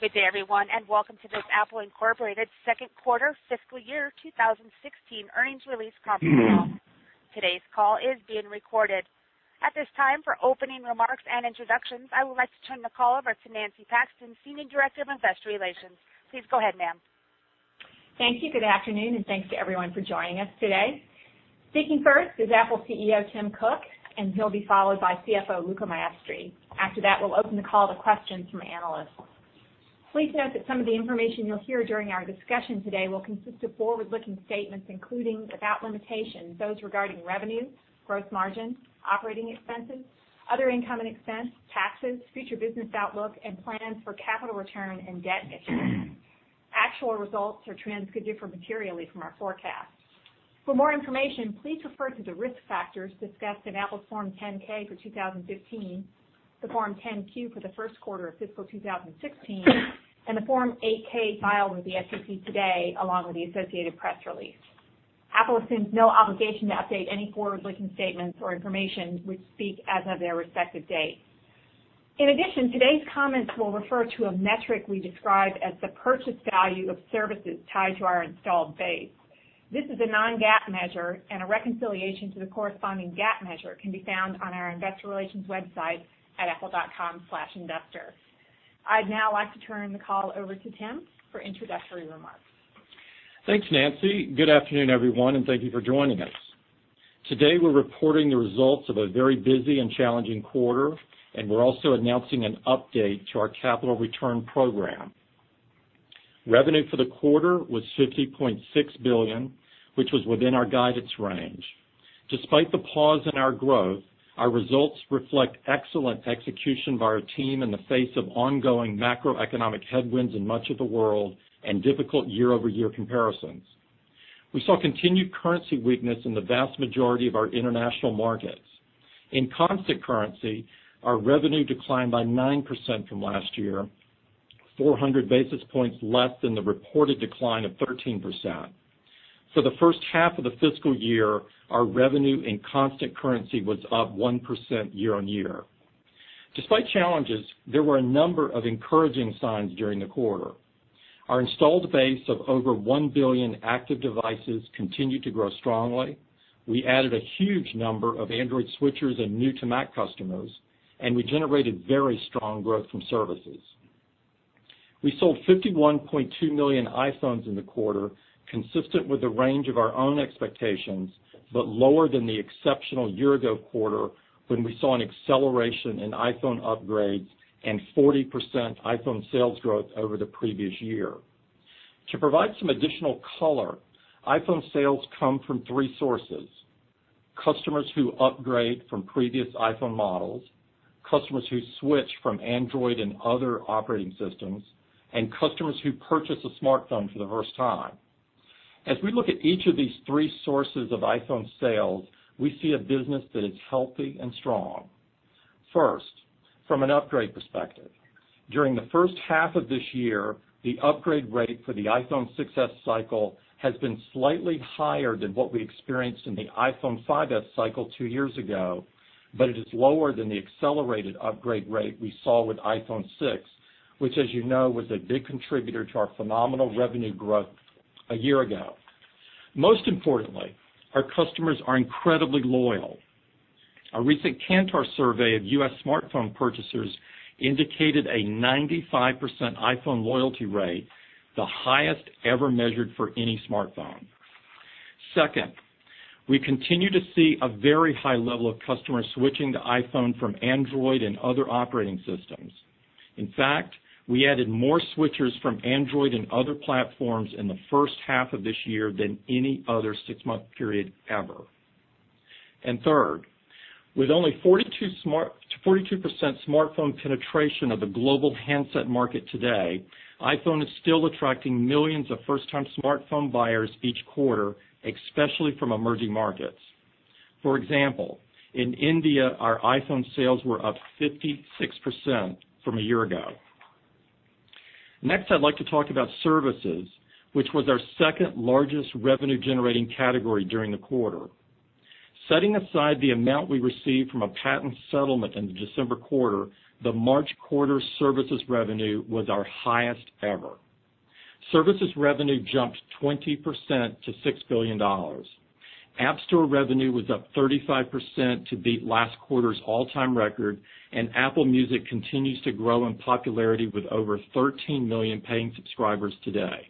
Good day, everyone, and welcome to this Apple Inc. second quarter fiscal year 2016 earnings release conference call. Today's call is being recorded. At this time, for opening remarks and introductions, I would like to turn the call over to Nancy Paxton, senior director of investor relations. Please go ahead, ma'am. Thank you. Good afternoon, and thanks to everyone for joining us today. Speaking first is Apple CEO Tim Cook, and he'll be followed by CFO Luca Maestri. After that, we'll open the call to questions from analysts. Please note that some of the information you'll hear during our discussion today will consist of forward-looking statements, including, without limitation, those regarding revenues, gross margins, operating expenses, other income and expense, taxes, future business outlook, and plans for capital return and debt issuance. Actual results or trends could differ materially from our forecasts. For more information, please refer to the risk factors discussed in Apple's Form 10-K for 2015, the Form 10-Q for the first quarter of fiscal 2016, and the Form 8-K filed with the SEC today, along with the associated press release. Apple assumes no obligation to update any forward-looking statements or information, which speak as of their respective dates. In addition, today's comments will refer to a metric we describe as the purchase value of services tied to our installed base. This is a non-GAAP measure, and a reconciliation to the corresponding GAAP measure can be found on our investor relations website at apple.com/investor. I'd now like to turn the call over to Tim for introductory remarks. Thanks, Nancy. Good afternoon, everyone, and thank you for joining us. Today, we're reporting the results of a very busy and challenging quarter, and we're also announcing an update to our capital return program. Revenue for the quarter was $50.6 billion, which was within our guidance range. Despite the pause in our growth, our results reflect excellent execution by our team in the face of ongoing macroeconomic headwinds in much of the world and difficult year-over-year comparisons. We saw continued currency weakness in the vast majority of our international markets. In constant currency, our revenue declined by 9% from last year, 400 basis points less than the reported decline of 13%. For the first half of the fiscal year, our revenue in constant currency was up 1% year-on-year. Despite challenges, there were a number of encouraging signs during the quarter. Our installed base of over 1 billion active devices continued to grow strongly. We added a huge number of Android switchers and new-to-Mac customers, and we generated very strong growth from services. We sold 51.2 million iPhones in the quarter, consistent with the range of our own expectations, but lower than the exceptional year-ago quarter when we saw an acceleration in iPhone upgrades and 40% iPhone sales growth over the previous year. To provide some additional color, iPhone sales come from three sources, customers who upgrade from previous iPhone models, customers who switch from Android and other operating systems, and customers who purchase a smartphone for the first time. As we look at each of these three sources of iPhone sales, we see a business that is healthy and strong. First, from an upgrade perspective, during the first half of this year, the upgrade rate for the iPhone 6s cycle has been slightly higher than what we experienced in the iPhone 5s cycle two years ago, but it is lower than the accelerated upgrade rate we saw with iPhone 6, which as you know, was a big contributor to our phenomenal revenue growth a year ago. Most importantly, our customers are incredibly loyal. A recent Kantar survey of U.S. smartphone purchasers indicated a 95% iPhone loyalty rate, the highest ever measured for any smartphone. Second, we continue to see a very high level of customers switching to iPhone from Android and other operating systems. In fact, we added more switchers from Android and other platforms in the first half of this year than any other six-month period ever. Third, with only 42% smartphone penetration of the global handset market today, iPhone is still attracting millions of first-time smartphone buyers each quarter, especially from emerging markets. For example, in India, our iPhone sales were up 56% from a year ago. Next, I'd like to talk about services, which was our second-largest revenue-generating category during the quarter. Setting aside the amount we received from a patent settlement in the December quarter, the March quarter services revenue was our highest ever. Services revenue jumped 20% to $6 billion. App Store revenue was up 35% to beat last quarter's all-time record, Apple Music continues to grow in popularity with over 13 million paying subscribers today.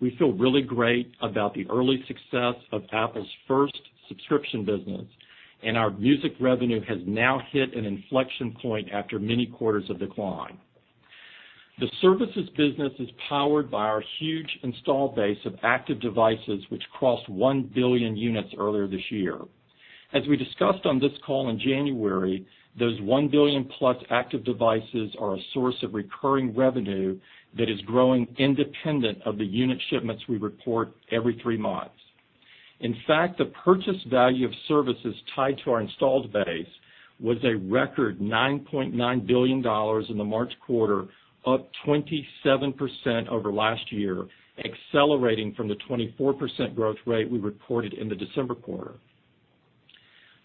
We feel really great about the early success of Apple's first subscription business, and our music revenue has now hit an inflection point after many quarters of decline. The services business is powered by our huge installed base of active devices, which crossed 1 billion units earlier this year. As we discussed on this call in January, those 1 billion-plus active devices are a source of recurring revenue that is growing independent of the unit shipments we report every three months. In fact, the purchase value of services tied to our installed base was a record $9.9 billion in the March quarter, up 27% over last year, accelerating from the 24% growth rate we reported in the December quarter.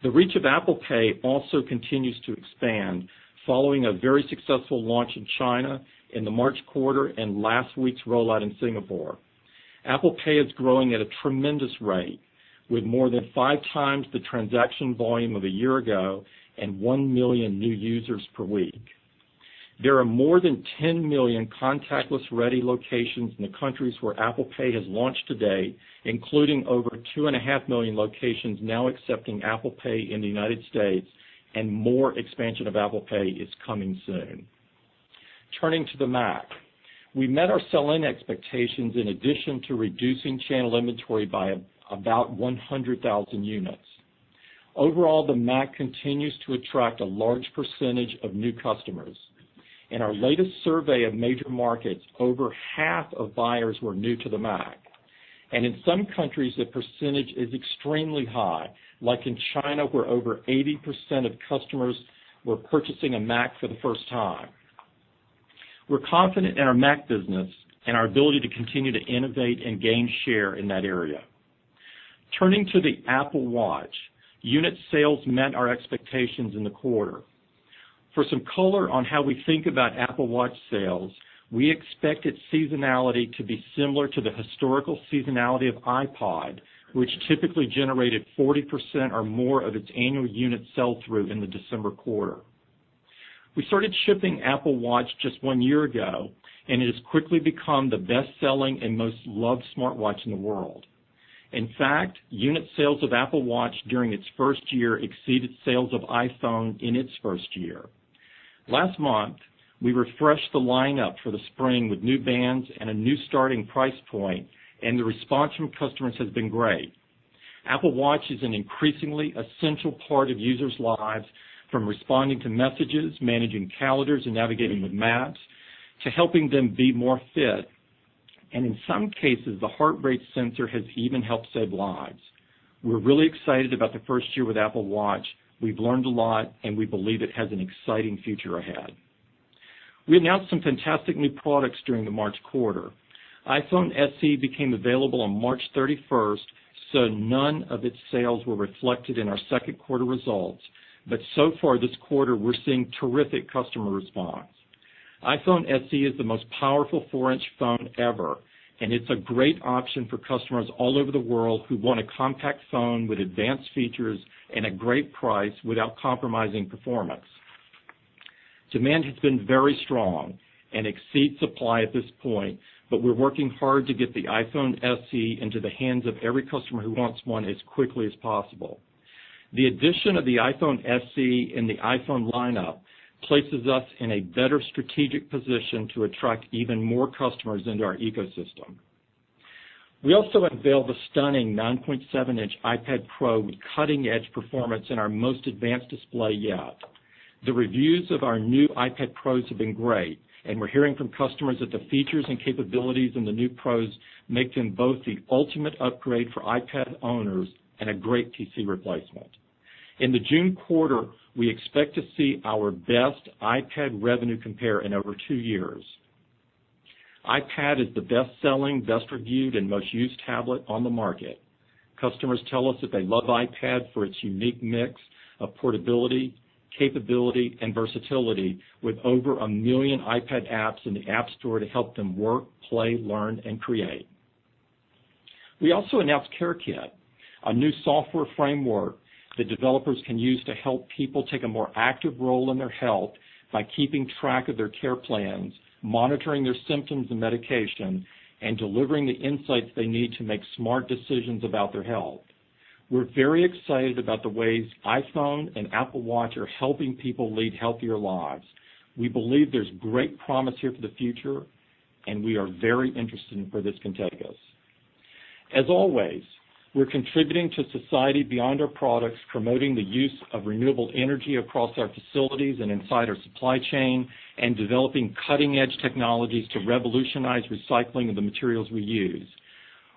The reach of Apple Pay also continues to expand following a very successful launch in China in the March quarter and last week's rollout in Singapore. Apple Pay is growing at a tremendous rate, with more than five times the transaction volume of a year ago and 1 million new users per week. There are more than 10 million contactless-ready locations in the countries where Apple Pay has launched to date, including over two and a half million locations now accepting Apple Pay in the United States. More expansion of Apple Pay is coming soon. Turning to the Mac. We met our sell-in expectations in addition to reducing channel inventory by about 100,000 units. Overall, the Mac continues to attract a large percentage of new customers. In our latest survey of major markets, over half of buyers were new to the Mac, and in some countries the percentage is extremely high, like in China, where over 80% of customers were purchasing a Mac for the first time. We're confident in our Mac business and our ability to continue to innovate and gain share in that area. Turning to the Apple Watch, unit sales met our expectations in the quarter. For some color on how we think about Apple Watch sales, we expect its seasonality to be similar to the historical seasonality of iPod, which typically generated 40% or more of its annual unit sell-through in the December quarter. We started shipping Apple Watch just one year ago, it has quickly become the best-selling and most loved smartwatch in the world. In fact, unit sales of Apple Watch during its first year exceeded sales of iPhone in its first year. Last month, we refreshed the lineup for the spring with new bands and a new starting price point, the response from customers has been great. Apple Watch is an increasingly essential part of users' lives, from responding to messages, managing calendars, and navigating with maps, to helping them be more fit. In some cases, the heart rate sensor has even helped save lives. We're really excited about the first year with Apple Watch. We've learned a lot, we believe it has an exciting future ahead. We announced some fantastic new products during the March quarter. iPhone SE became available on March 31st, none of its sales were reflected in our second quarter results, so far this quarter, we're seeing terrific customer response. iPhone SE is the most powerful four-inch phone ever, it's a great option for customers all over the world who want a compact phone with advanced features and a great price without compromising performance. Demand has been very strong and exceeds supply at this point, we're working hard to get the iPhone SE into the hands of every customer who wants one as quickly as possible. The addition of the iPhone SE in the iPhone lineup places us in a better strategic position to attract even more customers into our ecosystem. We also unveiled the stunning 9.7-inch iPad Pro with cutting-edge performance and our most advanced display yet. The reviews of our new iPad Pros have been great, we're hearing from customers that the features and capabilities in the new Pros make them both the ultimate upgrade for iPad owners and a great PC replacement. In the June quarter, we expect to see our best iPad revenue compare in over two years. iPad is the best-selling, best-reviewed, and most used tablet on the market. Customers tell us that they love iPad for its unique mix of portability, capability, and versatility, with over a million iPad apps in the App Store to help them work, play, learn, and create. We also announced CareKit, a new software framework that developers can use to help people take a more active role in their health by keeping track of their care plans, monitoring their symptoms and medication, and delivering the insights they need to make smart decisions about their health. We're very excited about the ways iPhone and Apple Watch are helping people lead healthier lives. We believe there's great promise here for the future and we are very interested in where this can take us. As always, we're contributing to society beyond our products, promoting the use of renewable energy across our facilities and inside our supply chain, and developing cutting-edge technologies to revolutionize recycling of the materials we use.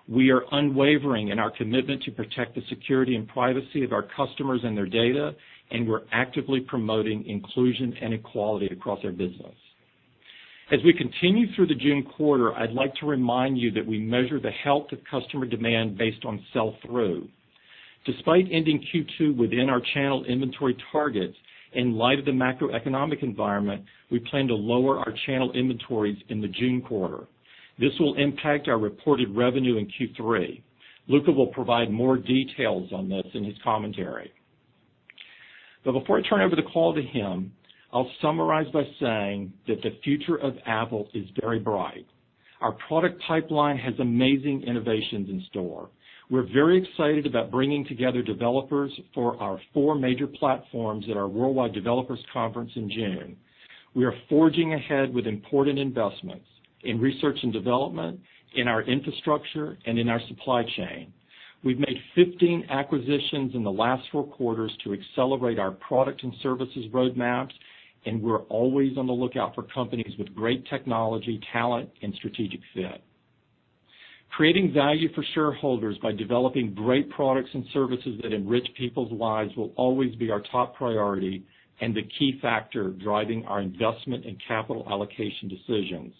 We are unwavering in our commitment to protect the security and privacy of our customers and their data, and we're actively promoting inclusion and equality across our business. As we continue through the June quarter, I'd like to remind you that we measure the health of customer demand based on sell-through. Despite ending Q2 within our channel inventory targets, in light of the macroeconomic environment, we plan to lower our channel inventories in the June quarter. This will impact our reported revenue in Q3. Luca will provide more details on this in his commentary. Before I turn over the call to him, I'll summarize by saying that the future of Apple is very bright. Our product pipeline has amazing innovations in store. We're very excited about bringing together developers for our four major platforms at our Worldwide Developers Conference in June. We are forging ahead with important investments in research and development, in our infrastructure, and in our supply chain. We've made 15 acquisitions in the last four quarters to accelerate our product and services roadmaps, and we're always on the lookout for companies with great technology, talent, and strategic fit. Creating value for shareholders by developing great products and services that enrich people's lives will always be our top priority and the key factor driving our investment and capital allocation decisions.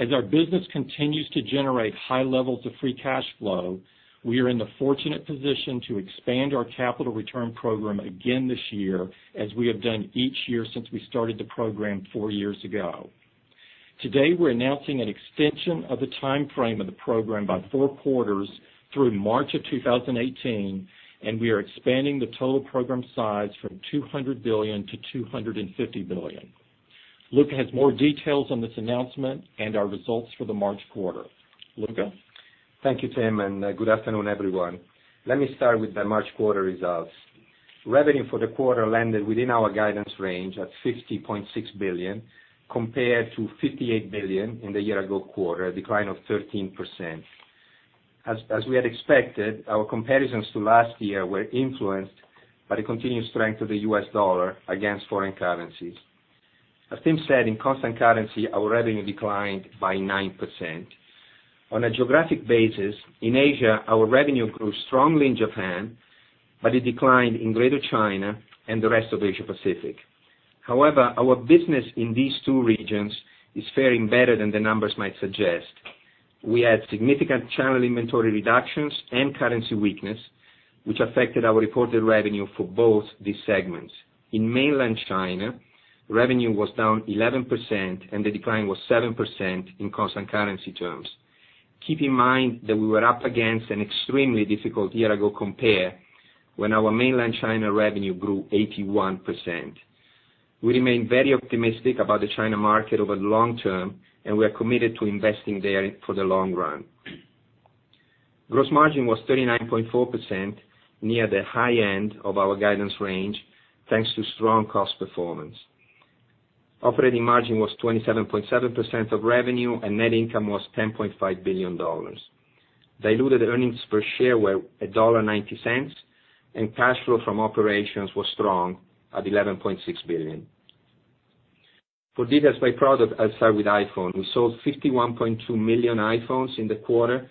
As our business continues to generate high levels of free cash flow, we are in the fortunate position to expand our capital return program again this year, as we have done each year since we started the program four years ago. Today, we're announcing an extension of the timeframe of the program by four quarters through March of 2018, and we are expanding the total program size from $200 billion to $250 billion. Luca has more details on this announcement and our results for the March quarter. Luca? Thank you, Tim, and good afternoon, everyone. Let me start with the March quarter results. Revenue for the quarter landed within our guidance range at $50.6 billion, compared to $58 billion in the year-ago quarter, a decline of 13%. As we had expected, our comparisons to last year were influenced by the continued strength of the U.S. dollar against foreign currencies. As Tim said, in constant currency, our revenue declined by 9%. On a geographic basis, in Asia, our revenue grew strongly in Japan, but it declined in Greater China and the rest of Asia Pacific. However, our business in these two regions is faring better than the numbers might suggest. We had significant channel inventory reductions and currency weakness, which affected our reported revenue for both these segments. In mainland China, revenue was down 11% and the decline was 7% in constant currency terms. Keep in mind that we were up against an extremely difficult year-ago compare when our mainland China revenue grew 81%. We remain very optimistic about the China market over the long term, and we are committed to investing there for the long run. Gross margin was 39.4%, near the high end of our guidance range, thanks to strong cost performance. Operating margin was 27.7% of revenue, and net income was $10.5 billion. Diluted earnings per share were $1.90, and cash flow from operations was strong at $11.6 billion. For details by product, I'll start with iPhone. We sold 51.2 million iPhones in the quarter,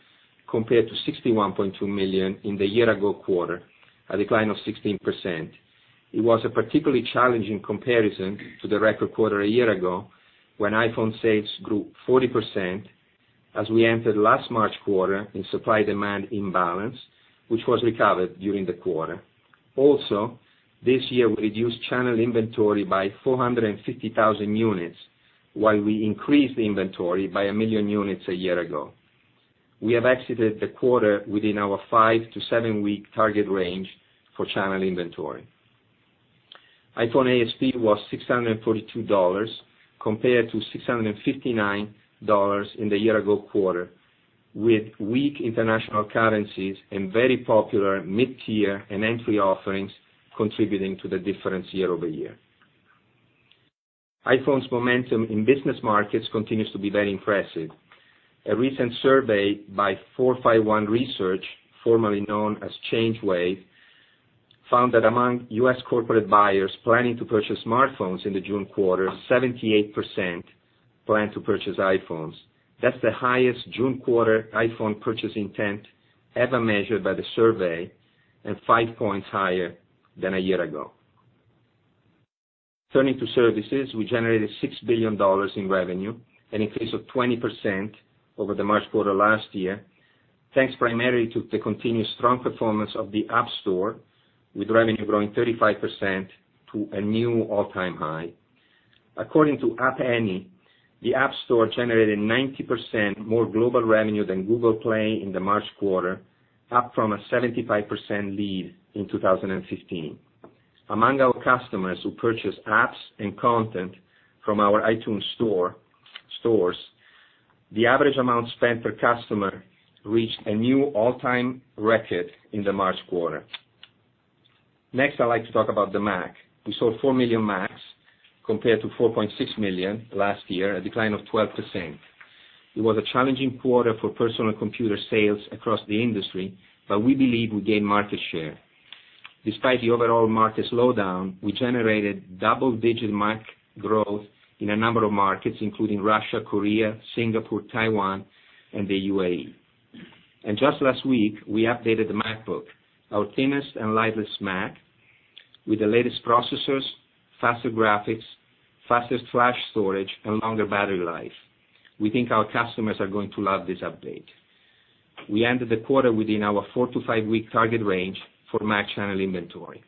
compared to 61.2 million in the year-ago quarter, a decline of 16%. It was a particularly challenging comparison to the record quarter a year ago, when iPhone sales grew 40% as we entered last March quarter in supply-demand imbalance, which was recovered during the quarter. This year we reduced channel inventory by 450,000 units while we increased the inventory by 1 million units a year ago. We have exited the quarter within our five to seven-week target range for channel inventory. iPhone ASP was $642, compared to $659 in the year-ago quarter, with weak international currencies and very popular mid-tier and entry offerings contributing to the difference year-over-year. iPhone's momentum in business markets continues to be very impressive. A recent survey by 451 Research, formerly known as ChangeWave, found that among U.S. corporate buyers planning to purchase smartphones in the June quarter, 78% plan to purchase iPhones. That's the highest June quarter iPhone purchase intent ever measured by the survey and five points higher than a year ago. Turning to services, we generated $6 billion in revenue, an increase of 20% over the March quarter last year, thanks primarily to the continued strong performance of the App Store, with revenue growing 35% to a new all-time high. According to App Annie, the App Store generated 90% more global revenue than Google Play in the March quarter, up from a 75% lead in 2015. Among our customers who purchase apps and content from our iTunes stores, the average amount spent per customer reached a new all-time record in the March quarter. Next, I'd like to talk about the Mac. We sold 4 million Macs compared to 4.6 million last year, a decline of 12%. It was a challenging quarter for personal computer sales across the industry, but we believe we gained market share. Despite the overall market slowdown, we generated double-digit Mac growth in a number of markets, including Russia, Korea, Singapore, Taiwan, and the UAE. Just last week, we updated the MacBook, our thinnest and lightest Mac with the latest processors, faster graphics, fastest flash storage, and longer battery life. We think our customers are going to love this update. We ended the quarter within our four to five-week target range for Mac channel inventory.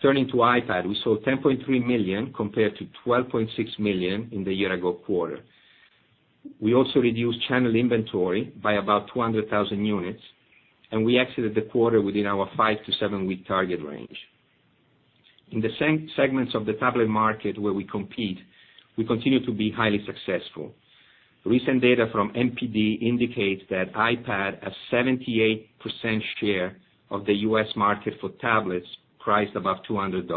Turning to iPad, we sold 10.3 million compared to 12.6 million in the year-ago quarter. We also reduced channel inventory by about 200,000 units, and we exited the quarter within our five to seven-week target range. In the same segments of the tablet market where we compete, we continue to be highly successful. Recent data from NPD indicates that iPad has 78% share of the U.S. market for tablets priced above $200.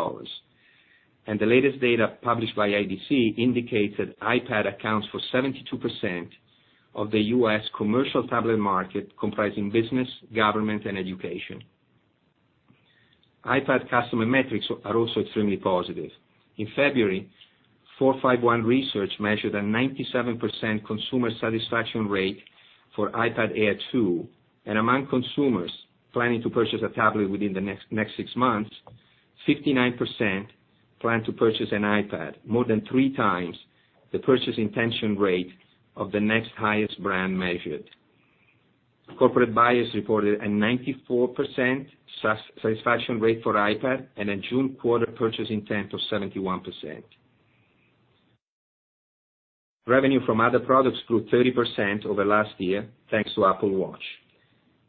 The latest data published by IDC indicates that iPad accounts for 72% of the U.S. commercial tablet market, comprising business, government, and education. iPad customer metrics are also extremely positive. In February, 451 Research measured a 97% consumer satisfaction rate for iPad Air 2, and among consumers planning to purchase a tablet within the next six months, 59% plan to purchase an iPad, more than three times the purchase intention rate of the next highest brand measured. Corporate buyers reported a 94% satisfaction rate for iPad and a June quarter purchase intent of 71%. Revenue from other products grew 30% over last year, thanks to Apple Watch.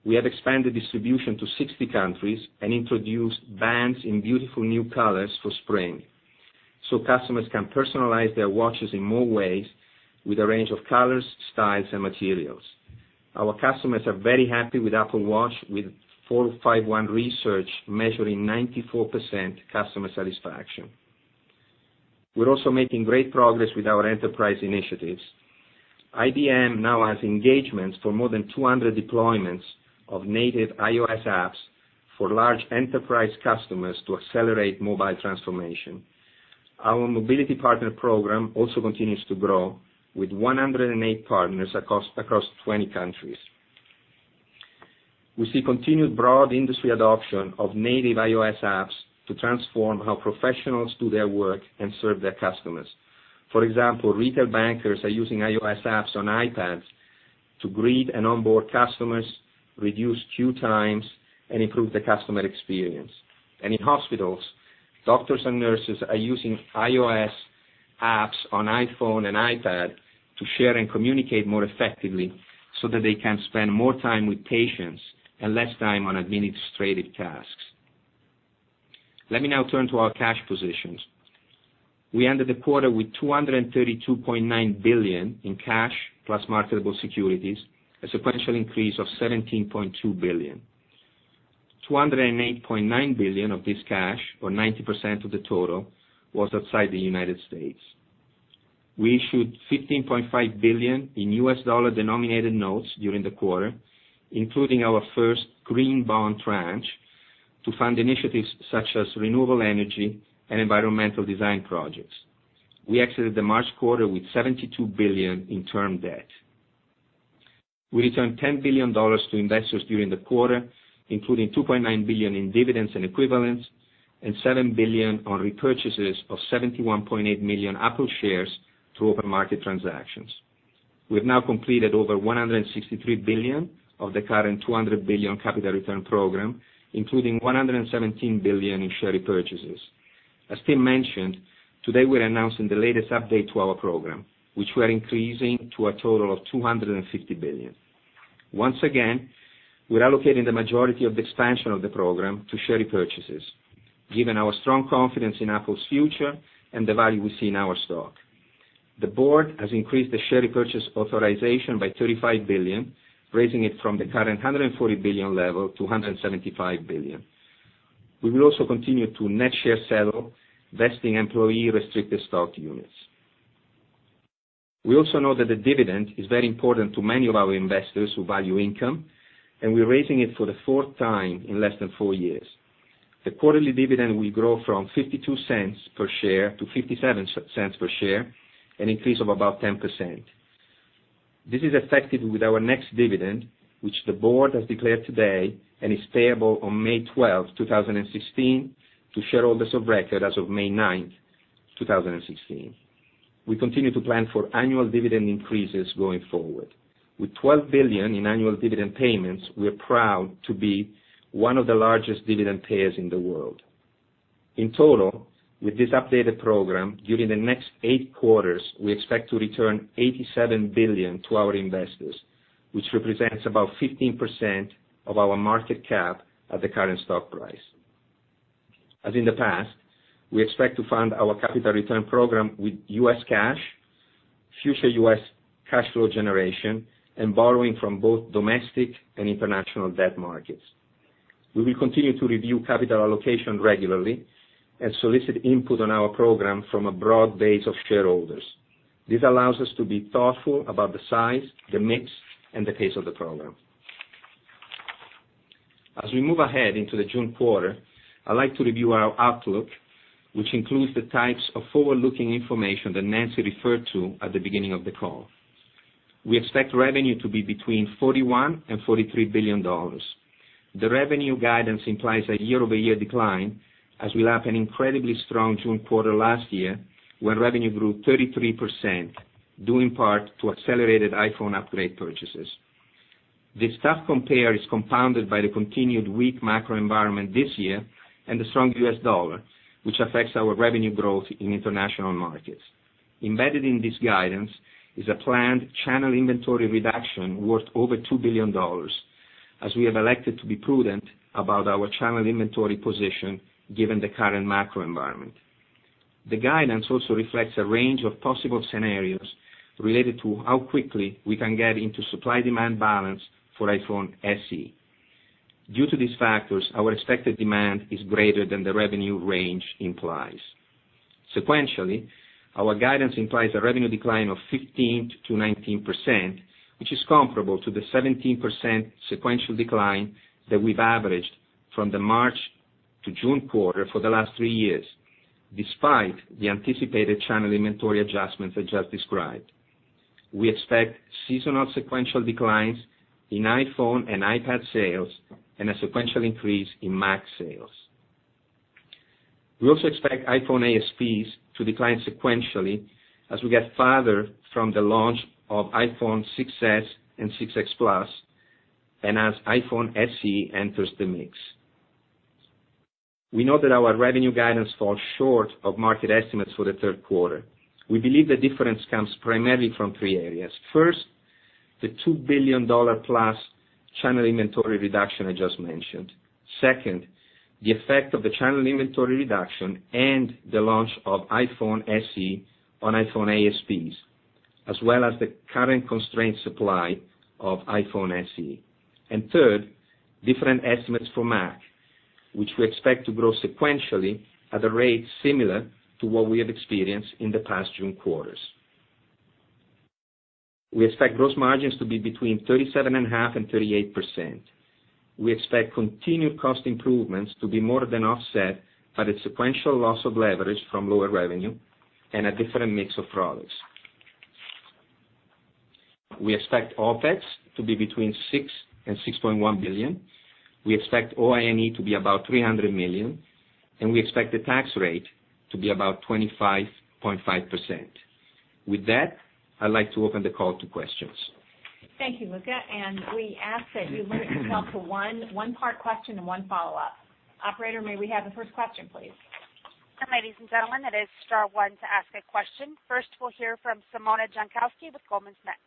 We have expanded distribution to 60 countries and introduced bands in beautiful new colors for spring so customers can personalize their watches in more ways with a range of colors, styles, and materials. Our customers are very happy with Apple Watch, with 451 Research measuring 94% customer satisfaction. We're also making great progress with our enterprise initiatives. IBM now has engagements for more than 200 deployments of native iOS apps for large enterprise customers to accelerate mobile transformation. Our mobility partner program also continues to grow with 108 partners across 20 countries. We see continued broad industry adoption of native iOS apps to transform how professionals do their work and serve their customers. For example, retail bankers are using iOS apps on iPads to greet and onboard customers, reduce queue times, and improve the customer experience. In hospitals, doctors and nurses are using iOS apps on iPhone and iPad to share and communicate more effectively so that they can spend more time with patients and less time on administrative tasks. Let me now turn to our cash positions. We ended the quarter with $232.9 billion in cash, plus marketable securities, a sequential increase of $17.2 billion. $208.9 billion of this cash, or 90% of the total, was outside the United States. We issued $15.5 billion in U.S. dollar-denominated notes during the quarter, including our first green bond tranche, to fund initiatives such as renewable energy and environmental design projects. We exited the March quarter with $72 billion in term debt. We returned $10 billion to investors during the quarter, including $2.9 billion in dividends and equivalents and $7 billion on repurchases of 71.8 million Apple shares through open market transactions. We have now completed over $163 billion of the current $200 billion capital return program, including $117 billion in share repurchases. As Tim mentioned, today we're announcing the latest update to our program, which we are increasing to a total of $250 billion. Once again, we're allocating the majority of the expansion of the program to share repurchases, given our strong confidence in Apple's future and the value we see in our stock. The board has increased the share repurchase authorization by $35 billion, raising it from the current $140 billion level to $175 billion. We will also continue to net share sell vested employee restricted stock units. We also know that the dividend is very important to many of our investors who value income, and we're raising it for the fourth time in less than four years. The quarterly dividend will grow from $0.52 per share to $0.57 per share, an increase of about 10%. This is effective with our next dividend, which the board has declared today and is payable on May 12th, 2016, to shareholders of record as of May 9th, 2016. We continue to plan for annual dividend increases going forward. With $12 billion in annual dividend payments, we are proud to be one of the largest dividend payers in the world. In total, with this updated program, during the next eight quarters, we expect to return $87 billion to our investors, which represents about 15% of our market cap at the current stock price. As in the past, we expect to fund our capital return program with U.S. cash, future U.S. cash flow generation, and borrowing from both domestic and international debt markets. We will continue to review capital allocation regularly and solicit input on our program from a broad base of shareholders. This allows us to be thoughtful about the size, the mix, and the pace of the program. As we move ahead into the June quarter, I'd like to review our outlook, which includes the types of forward-looking information that Nancy referred to at the beginning of the call. We expect revenue to be between $41 billion-$43 billion. The revenue guidance implies a year-over-year decline, as we had an incredibly strong June quarter last year, where revenue grew 33%, due in part to accelerated iPhone upgrade purchases. This tough compare is compounded by the continued weak macro environment this year and the strong U.S. dollar, which affects our revenue growth in international markets. Embedded in this guidance is a planned channel inventory reduction worth over $2 billion, as we have elected to be prudent about our channel inventory position given the current macro environment. The guidance also reflects a range of possible scenarios related to how quickly we can get into supply-demand balance for iPhone SE. Due to these factors, our expected demand is greater than the revenue range implies. Sequentially, our guidance implies a revenue decline of 15%-19%, which is comparable to the 17% sequential decline that we've averaged from the March to June quarter for the last three years, despite the anticipated channel inventory adjustments I just described. We expect seasonal sequential declines in iPhone and iPad sales and a sequential increase in Mac sales. We also expect iPhone ASPs to decline sequentially as we get farther from the launch of iPhone 6s and 6s Plus, and as iPhone SE enters the mix. We know that our revenue guidance falls short of market estimates for the third quarter. We believe the difference comes primarily from three areas. First, the $2 billion-plus channel inventory reduction I just mentioned. Second, the effect of the channel inventory reduction and the launch of iPhone SE on iPhone ASPs, as well as the current constrained supply of iPhone SE. Third, different estimates for Mac, which we expect to grow sequentially at a rate similar to what we have experienced in the past June quarters. We expect gross margins to be between 37.5%-38%. We expect continued cost improvements to be more than offset by the sequential loss of leverage from lower revenue and a different mix of products. We expect OpEx to be between $6 billion-$6.1 billion. We expect OIE to be about $300 million, and we expect the tax rate to be about 25.5%. With that, I'd like to open the call to questions. Thank you, Luca, and we ask that you limit yourself to one part question and one follow-up. Operator, may we have the first question, please? Ladies and gentlemen, it is star one to ask a question. First, we'll hear from Simona Jankowski with Goldman Sachs.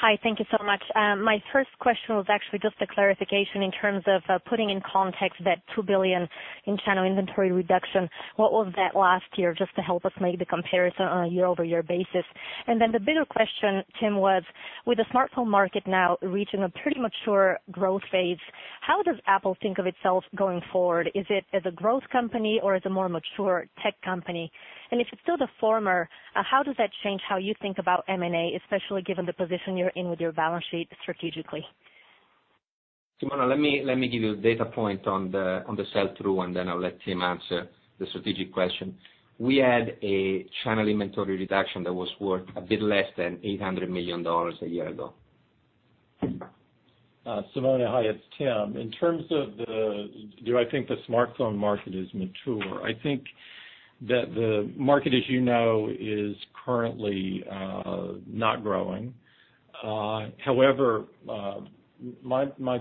Hi. Thank you so much. My first question was actually just a clarification in terms of putting in context that $2 billion in channel inventory reduction. What was that last year? Just to help us make the comparison on a year-over-year basis. The bigger question, Tim, was, with the smartphone market now reaching a pretty mature growth phase, how does Apple think of itself going forward? Is it as a growth company or as a more mature tech company? If it's still the former, how does that change how you think about M&A, especially given the position you're in with your balance sheet strategically? Simona, let me give you a data point on the sell-through. I'll let Tim answer the strategic question. We had a channel inventory reduction that was worth a bit less than $800 million a year ago. Simona, hi, it's Tim. In terms of do I think the smartphone market is mature, I think that the market, as you know, is currently not growing. My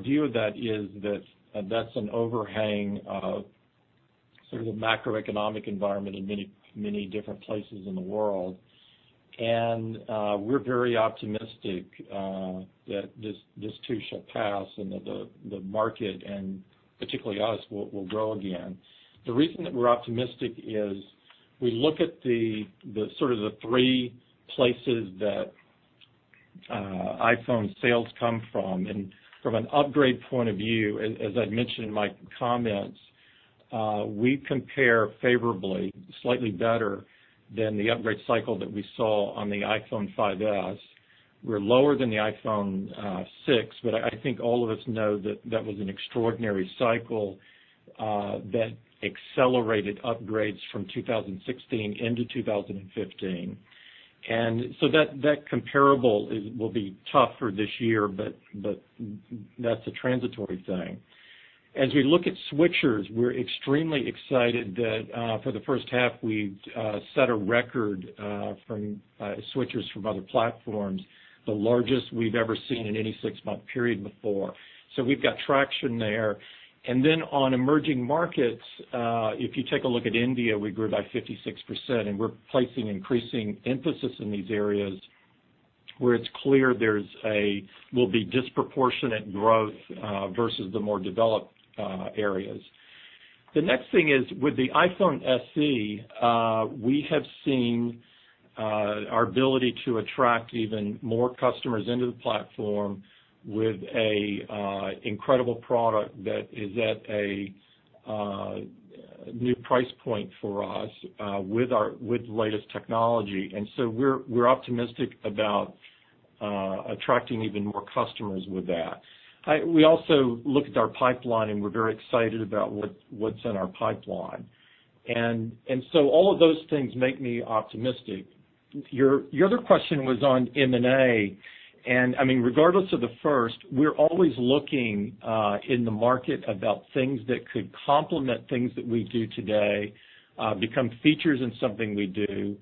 view of that is that that's an overhang of sort of the macroeconomic environment in many different places in the world, and we're very optimistic that this too shall pass and that the market, and particularly us, will grow again. The reason that we're optimistic is we look at the sort of the three places that iPhone sales come from, and from an upgrade point of view, as I mentioned in my comments, we compare favorably, slightly better than the upgrade cycle that we saw on the iPhone 5s. We're lower than the iPhone 6, but I think all of us know that that was an extraordinary cycle that accelerated upgrades from 2016 into 2015. That comparable will be tougher this year, but that's a transitory thing. As we look at switchers, we're extremely excited that for the first half, we've set a record from switchers from other platforms, the largest we've ever seen in any six-month period before. We've got traction there. On emerging markets, if you take a look at India, we grew by 56%, and we're placing increasing emphasis in these areas where it's clear there will be disproportionate growth versus the more developed areas. The next thing is, with the iPhone SE, we have seen our ability to attract even more customers into the platform with an incredible product that is at a new price point for us with the latest technology. We're optimistic about attracting even more customers with that. We also looked at our pipeline, and we're very excited about what's in our pipeline. All of those things make me optimistic. Your other question was on M&A, regardless of the first, we're always looking in the market about things that could complement things that we do today, become features in something we do,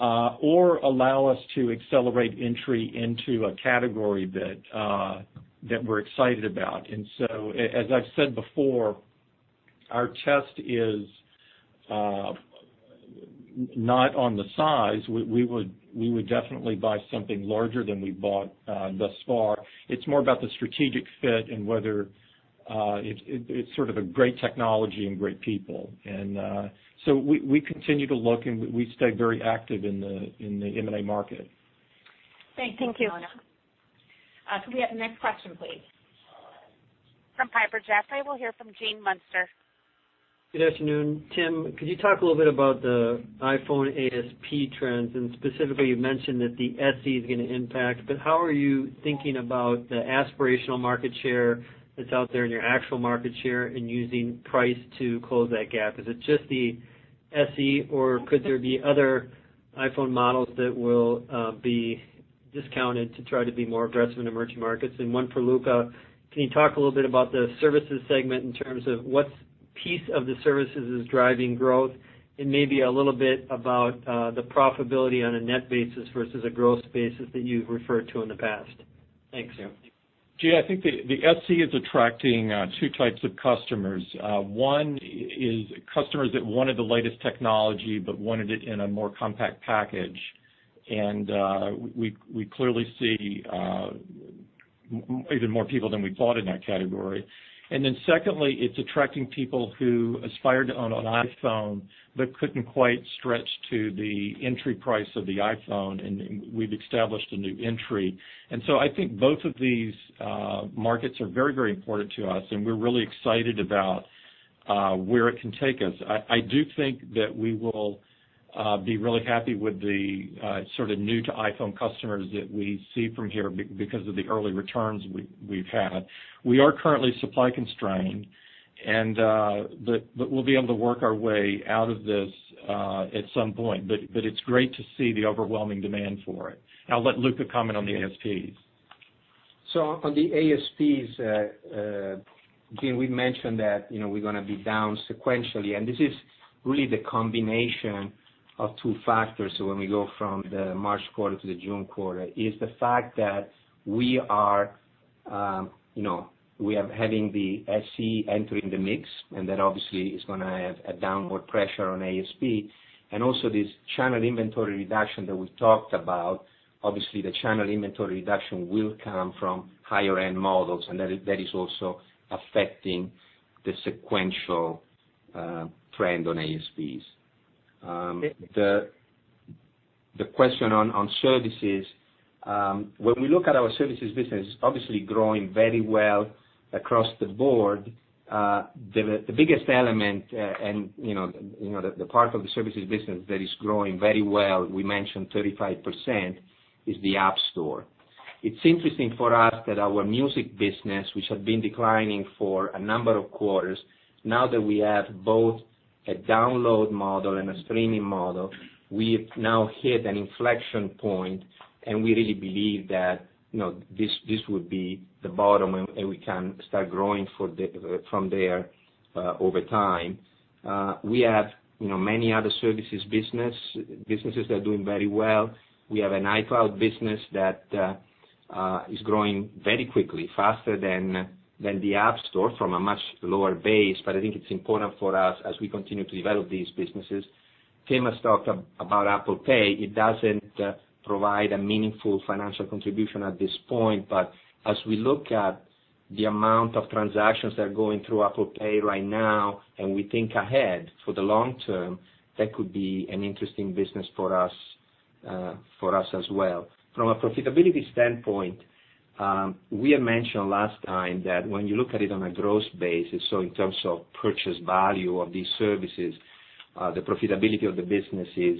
or allow us to accelerate entry into a category that we're excited about. As I've said before, our test is not on the size. We would definitely buy something larger than we've bought thus far. It's more about the strategic fit and whether it's sort of a great technology and great people. We continue to look, and we stay very active in the M&A market. Thank you. Thank you, Simona. Could we have the next question, please? From Piper Jaffray, we'll hear from Gene Munster. Good afternoon. Tim, could you talk a little bit about the iPhone ASP trends? Specifically, you've mentioned that the SE is going to impact, how are you thinking about the aspirational market share that's out there and your actual market share and using price to close that gap? Is it just the SE, or could there be other iPhone models that will be discounted to try to be more aggressive in emerging markets? One for Luca, can you talk a little bit about the services segment in terms of what piece of the services is driving growth, and maybe a little bit about the profitability on a net basis versus a growth basis that you've referred to in the past? Thanks. Gene, I think the SE is attracting 2 types of customers. One is customers that wanted the latest technology but wanted it in a more compact package. We clearly see even more people than we thought in that category. Secondly, it's attracting people who aspired to own an iPhone but couldn't quite stretch to the entry price of the iPhone, and we've established a new entry. I think both of these markets are very important to us, and we're really excited about where it can take us. I do think that we will be really happy with the sort of new to iPhone customers that we see from here because of the early returns we've had. We are currently supply constrained, we'll be able to work our way out of this at some point. It's great to see the overwhelming demand for it. I'll let Luca comment on the ASPs. On the ASPs, Gene, we mentioned that we're going to be down sequentially, and this is really the combination of two factors when we go from the March quarter to the June quarter, is the fact that we are having the SE entering the mix, and that obviously is going to have a downward pressure on ASP. Also, this channel inventory reduction that we talked about, obviously the channel inventory reduction will come from higher-end models, and that is also affecting the sequential trend on ASPs. The question on services, when we look at our services business, it's obviously growing very well across the board. The biggest element and the part of the services business that is growing very well, we mentioned 35%, is the App Store. It's interesting for us that our music business, which had been declining for a number of quarters, now that we have both a download model and a streaming model, we've now hit an inflection point, and we really believe that this would be the bottom and we can start growing from there over time. We have many other services businesses that are doing very well. We have an iCloud business that is growing very quickly, faster than the App Store from a much lower base, but I think it's important for us as we continue to develop these businesses. Tim has talked about Apple Pay. It doesn't provide a meaningful financial contribution at this point, but as we look at the amount of transactions that are going through Apple Pay right now and we think ahead for the long term, that could be an interesting business for us as well. From a profitability standpoint, we had mentioned last time that when you look at it on a gross basis, in terms of purchase value of these services, the profitability of the business is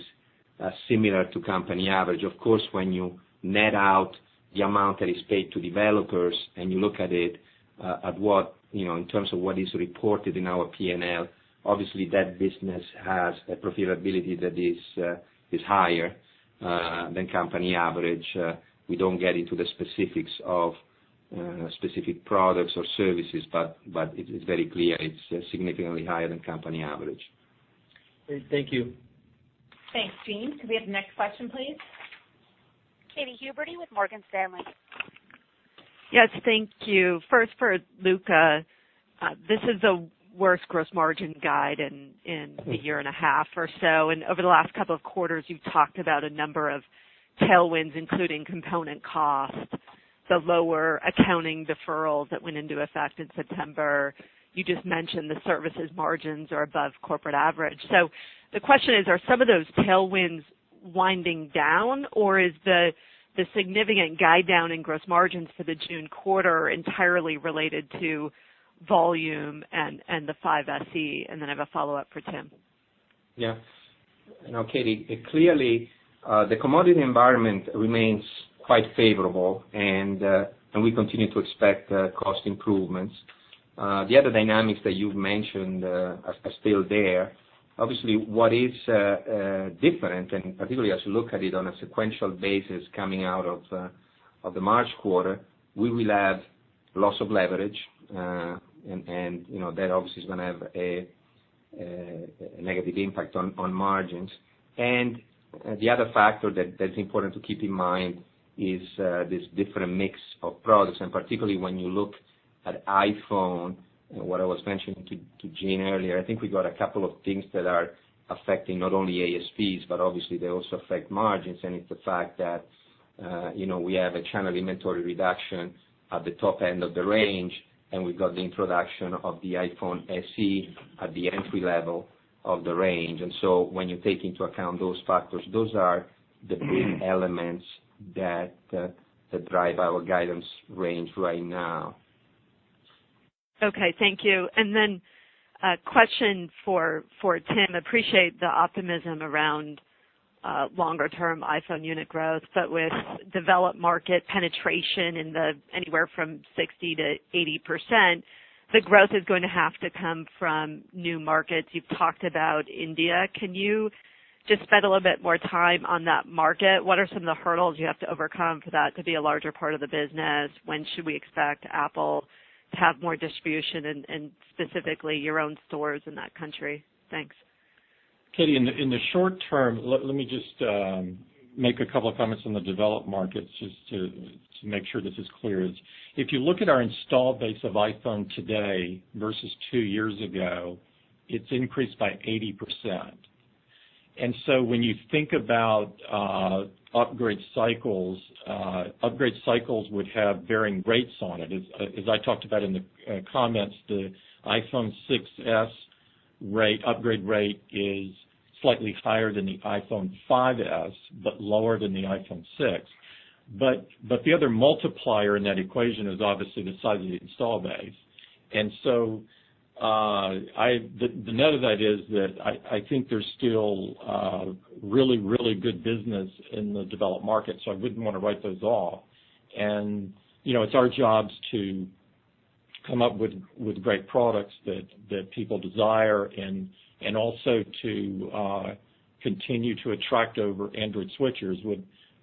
similar to company average. Of course, when you net out the amount that is paid to developers and you look at it in terms of what is reported in our P&L, obviously that business has a profitability that is higher than company average. We don't get into the specifics of specific products or services, but it's very clear it's significantly higher than company average. Great. Thank you. Thanks, Gene. Could we have the next question, please? Katy Huberty with Morgan Stanley. Yes, thank you. First for Luca, this is the worst gross margin guide in a year and a half or so. Over the last couple of quarters, you've talked about a number of tailwinds, including component costs, the lower accounting deferrals that went into effect in September. You just mentioned the services margins are above corporate average. The question is, are some of those tailwinds winding down, or is the significant guide down in gross margins for the June quarter entirely related to volume and the iPhone SE? Then I have a follow-up for Tim. Yes. Katy, clearly, the commodity environment remains quite favorable. We continue to expect cost improvements. The other dynamics that you've mentioned are still there. Obviously, what is different, particularly as you look at it on a sequential basis coming out of the March quarter, we will have loss of leverage. That obviously is going to have a negative impact on margins. The other factor that's important to keep in mind is this different mix of products, particularly when you look at iPhone and what I was mentioning to Gene earlier. I think we got a couple of things that are affecting not only ASPs, but obviously they also affect margins. It's the fact that we have a channel inventory reduction at the top end of the range. We've got the introduction of the iPhone SE at the entry level of the range. When you take into account those factors, those are the big elements that drive our guidance range right now. Okay, thank you. Then a question for Tim. Appreciate the optimism around longer-term iPhone unit growth. With developed market penetration in the anywhere from 60%-80%, the growth is going to have to come from new markets. You've talked about India. Can you just spend a little bit more time on that market? What are some of the hurdles you have to overcome for that to be a larger part of the business? When should we expect Apple to have more distribution in, specifically, your own stores in that country? Thanks. Katy, in the short term, let me just make a couple of comments on the developed markets just to make sure this is clear. If you look at our install base of iPhone today versus two years ago, it's increased by 80%. When you think about upgrade cycles, upgrade cycles would have varying rates on it. As I talked about in the comments, the iPhone 6s upgrade rate is slightly higher than the iPhone 5s, but lower than the iPhone 6. The other multiplier in that equation is obviously the size of the install base. The net of that is that I think there's still really good business in the developed market, so I wouldn't want to write those off. It's our jobs to come up with great products that people desire and also to continue to attract over Android switchers.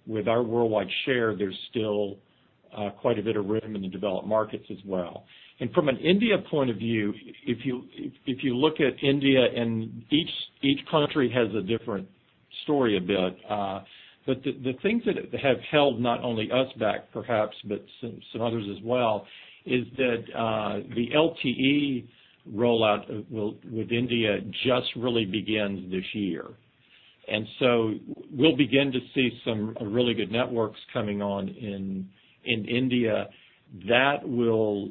With our worldwide share, there's still quite a bit of room in the developed markets as well. From an India point of view, if you look at India, and each country has a different story a bit, but the things that have held not only us back perhaps, but some others as well, is that the LTE rollout with India just really begins this year. We'll begin to see some really good networks coming on in India that will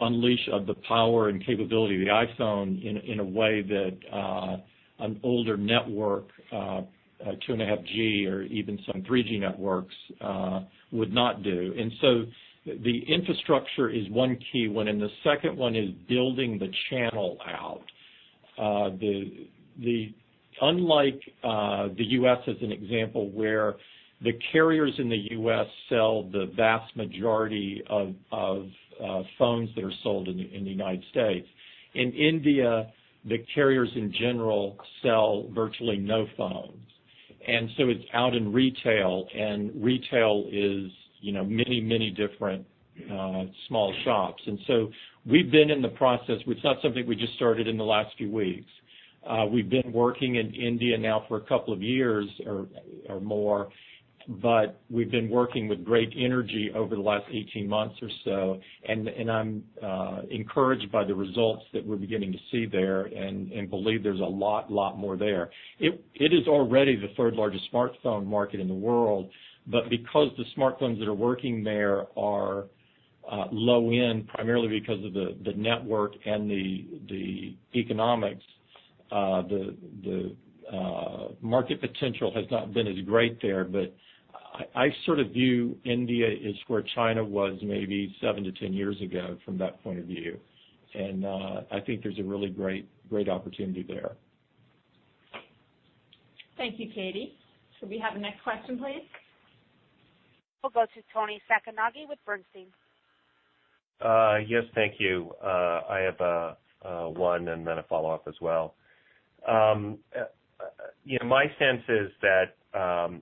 unleash the power and capability of the iPhone in a way that an older network, 2.5G or even some 3G networks, would not do. The infrastructure is one key one, and the second one is building the channel out. Unlike the U.S., as an example, where the carriers in the U.S. sell the vast majority of phones that are sold in the United States. In India, the carriers in general sell virtually no phones. It's out in retail, and retail is many different small shops. We've been in the process, it's not something we just started in the last few weeks. We've been working in India now for a couple of years or more, but we've been working with great energy over the last 18 months or so, and I'm encouraged by the results that we're beginning to see there and believe there's a lot more there. It is already the third-largest smartphone market in the world, but because the smartphones that are working there are low end, primarily because of the network and the economics, the market potential has not been as great there. But I sort of view India as where China was maybe seven to 10 years ago from that point of view. I think there's a really great opportunity there. Thank you, Katy. Could we have the next question, please? We'll go to Toni Sacconaghi with Bernstein. Yes. Thank you. I have one and then a follow-up as well. My sense is that,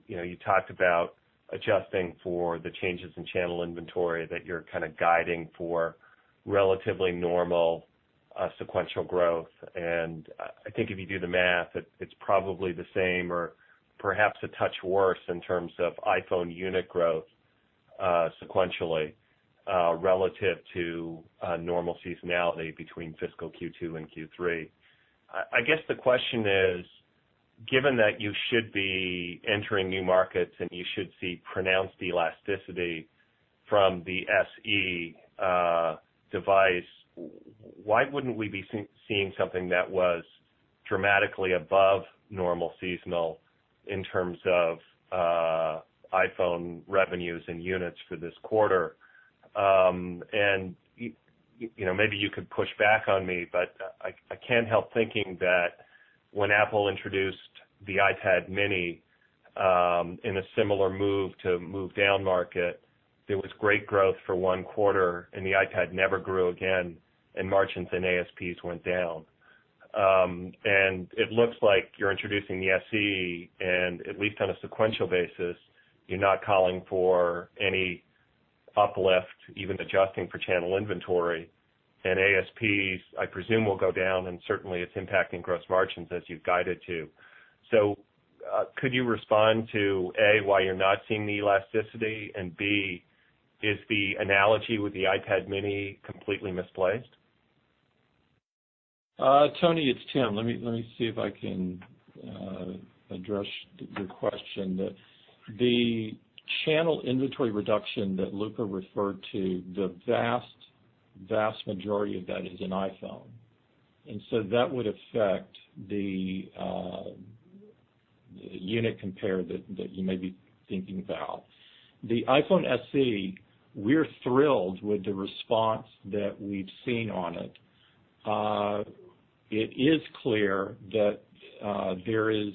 you talked about adjusting for the changes in channel inventory, that you're kind of guiding for relatively normal sequential growth. I think if you do the math, it's probably the same or perhaps a touch worse in terms of iPhone unit growth sequentially relative to normal seasonality between fiscal Q2 and Q3. I guess the question is, given that you should be entering new markets and you should see pronounced elasticity from the SE device, why wouldn't we be seeing something that was dramatically above normal seasonal in terms of iPhone revenues and units for this quarter? Maybe you could push back on me, but I can't help thinking that when Apple introduced the iPad mini in a similar move to move down market, there was great growth for one quarter, the iPad never grew again, margins and ASPs went down. It looks like you're introducing the SE and at least on a sequential basis, you're not calling for any uplift, even adjusting for channel inventory. ASPs, I presume, will go down, certainly, it's impacting gross margins as you've guided to. Could you respond to, A, why you're not seeing the elasticity, and B, is the analogy with the iPad mini completely misplaced? Tony, it's Tim. Let me see if I can address your question. The channel inventory reduction that Luca referred to, the vast majority of that is in iPhone. That would affect the unit compare that you may be thinking about. The iPhone SE, we're thrilled with the response that we've seen on it. It is clear that there is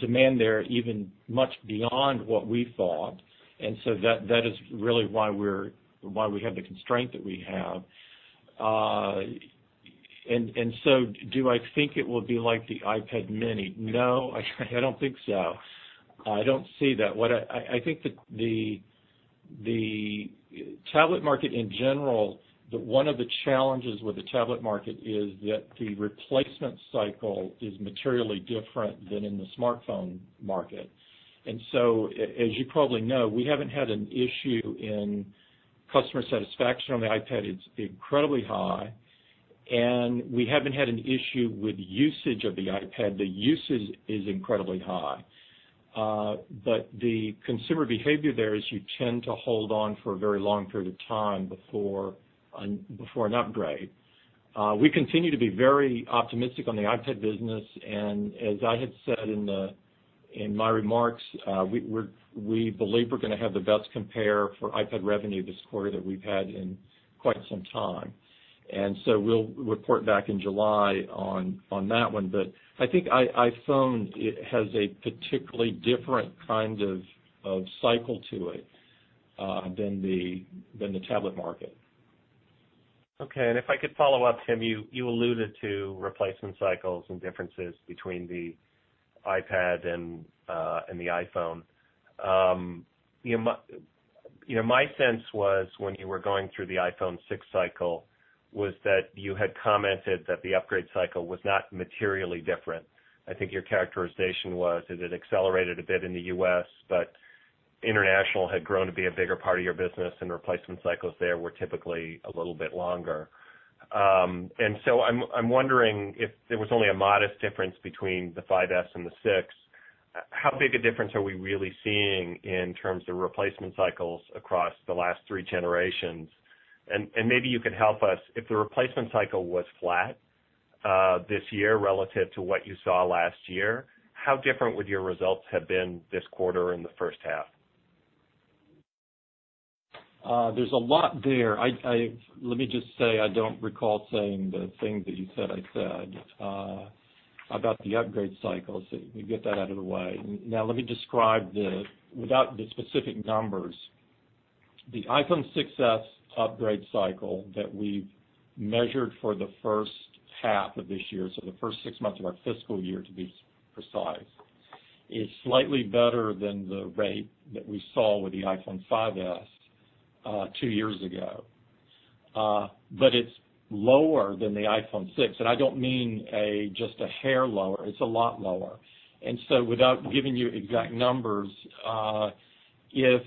demand there even much beyond what we thought. That is really why we have the constraint that we have. Do I think it will be like the iPad mini? No, I don't think so. I don't see that. I think the tablet market in general, one of the challenges with the tablet market is that the replacement cycle is materially different than in the smartphone market. As you probably know, we haven't had an issue in customer satisfaction on the iPad. It's incredibly high, we haven't had an issue with usage of the iPad. The usage is incredibly high. The consumer behavior there is you tend to hold on for a very long period of time before an upgrade. We continue to be very optimistic on the iPad business, as I had said in my remarks, we believe we're going to have the best compare for iPad revenue this quarter that we've had in quite some time. We'll report back in July on that one. I think iPhone, it has a particularly different kind of cycle to it than the tablet market. Okay, if I could follow up, Tim, you alluded to replacement cycles and differences between the iPad and the iPhone. My sense was when you were going through the iPhone 6 cycle was that you had commented that the upgrade cycle was not materially different. I think your characterization was that it accelerated a bit in the U.S., international had grown to be a bigger part of your business, and replacement cycles there were typically a little bit longer. I'm wondering if there was only a modest difference between the 5s and the 6, how big a difference are we really seeing in terms of replacement cycles across the last three generations? Maybe you could help us, if the replacement cycle was flat this year relative to what you saw last year, how different would your results have been this quarter and the first half? There's a lot there. Let me just say, I don't recall saying the thing that you said I said about the upgrade cycles. Let me get that out of the way. Let me describe, without the specific numbers, the iPhone 6s upgrade cycle that we've measured for the first half of this year, so the first six months of our fiscal year, to be precise, is slightly better than the rate that we saw with the iPhone 5s two years ago. It's lower than the iPhone 6, I don't mean just a hair lower, it's a lot lower. Without giving you exact numbers, if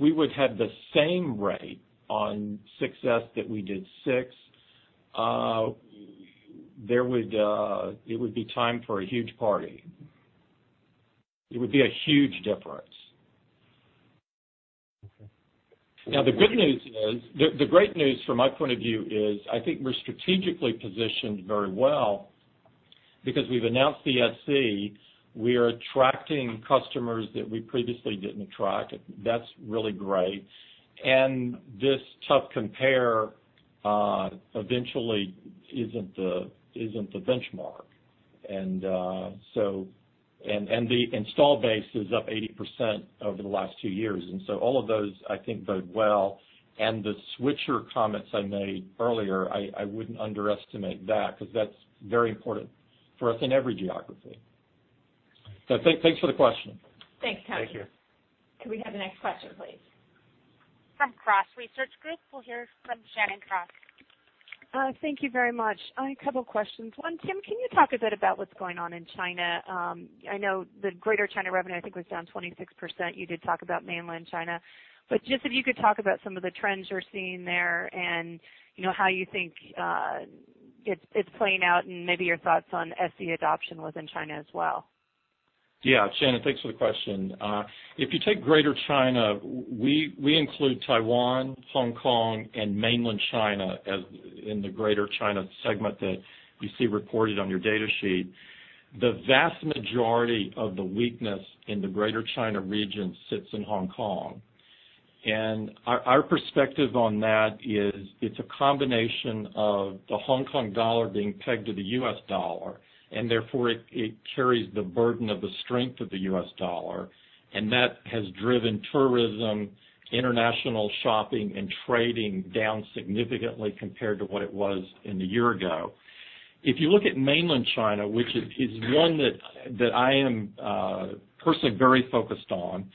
we would have the same rate on 6s that we did 6, it would be time for a huge party. It would be a huge difference. Okay. The great news from my point of view is I think we're strategically positioned very well because we've announced the SE. We are attracting customers that we previously didn't attract. That's really great. This tough compare eventually isn't the benchmark. The install base is up 80% over the last two years, all of those, I think, bode well. The switcher comments I made earlier, I wouldn't underestimate that because that's very important for us in every geography. Thanks for the question. Thanks, Tim. Thank you. Could we have the next question, please? From Cross Research Group, we'll hear from Shannon Cross. Thank you very much. A couple questions. One, Tim, can you talk a bit about what's going on in China? I know the Greater China revenue, I think, was down 26%. You did talk about Mainland China, but just if you could talk about some of the trends you're seeing there and how you think it's playing out and maybe your thoughts on iPhone SE adoption within China as well. Yeah. Shannon, thanks for the question. If you take Greater China, we include Taiwan, Hong Kong, and Mainland China in the Greater China segment that you see reported on your data sheet. The vast majority of the weakness in the Greater China region sits in Hong Kong. Our perspective on that is it's a combination of the Hong Kong dollar being pegged to the U.S. dollar, and therefore it carries the burden of the strength of the U.S. dollar, and that has driven tourism, international shopping, and trading down significantly compared to what it was in a year ago. If you look at Mainland China, which is one that I am personally very focused on,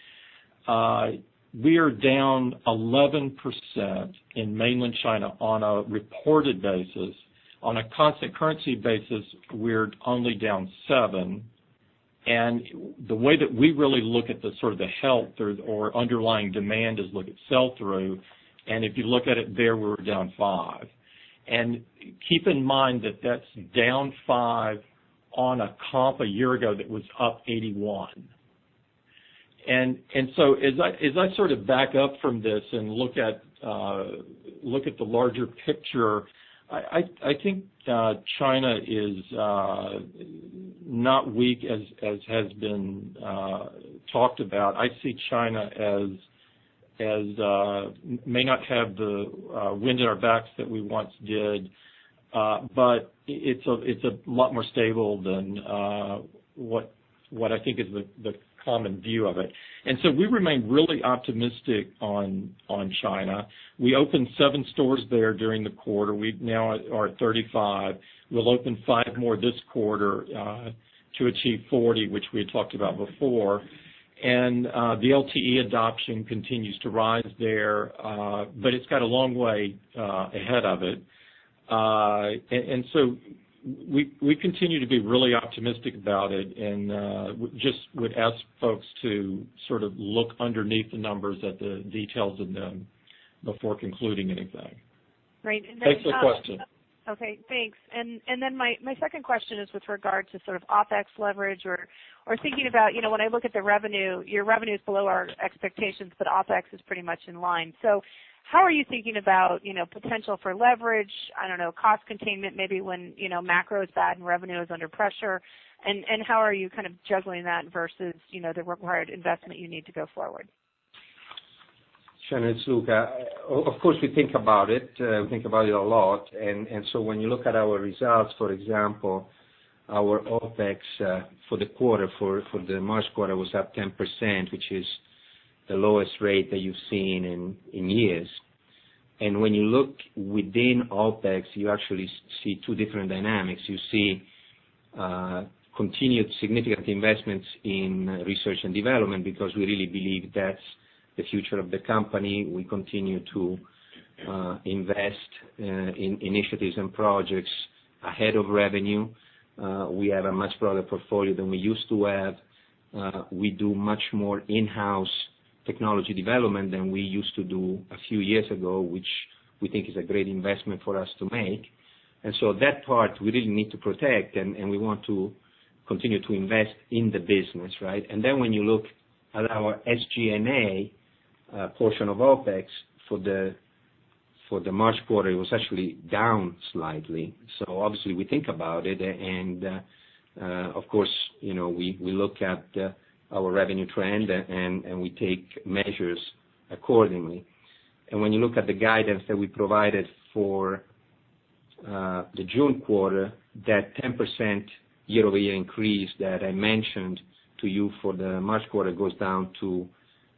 we are down 11% in Mainland China on a reported basis. On a constant currency basis, we're only down 7%. The way that we really look at the sort of the health or underlying demand is look at sell-through, and if you look at it there, we're down 5%. Keep in mind that that's down 5% on a comp a year ago that was up 81%. So as I sort of back up from this and look at the larger picture, I think China is not weak as has been talked about. I see China as, may not have the wind in our backs that we once did, but it's a lot more stable than what I think is the common view of it. So we remain really optimistic on China. We opened seven stores there during the quarter. We now are at 35. We'll open five more this quarter, to achieve 40, which we had talked about before. The LTE adoption continues to rise there, but it's got a long way ahead of it. So we continue to be really optimistic about it, and just would ask folks to sort of look underneath the numbers at the details of them before concluding anything. Great. Thanks for the question. Okay, thanks. My second question is with regard to sort of OpEx leverage or thinking about, when I look at the revenue, your revenue's below our expectations, but OpEx is pretty much in line. How are you thinking about potential for leverage, I don't know, cost containment, maybe when macro is bad and revenue is under pressure, and how are you kind of juggling that versus the required investment you need to go forward? Shannon, it's Luca. Of course, we think about it. We think about it a lot. When you look at our results, for example, our OpEx, for the March quarter, was up 10%, which is the lowest rate that you've seen in years. When you look within OpEx, you actually see two different dynamics. You see continued significant investments in research and development because we really believe that's the future of the company. We continue to invest in initiatives and projects ahead of revenue. We have a much broader portfolio than we used to have. We do much more in-house technology development than we used to do a few years ago, which we think is a great investment for us to make. That part we really need to protect, and we want to continue to invest in the business, right? When you look at our SG&A portion of OpEx for the March quarter, it was actually down slightly. Obviously we think about it and, of course, we look at our revenue trend and we take measures accordingly. When you look at the guidance that we provided for the June quarter, that 10% year-over-year increase that I mentioned to you for the March quarter goes down to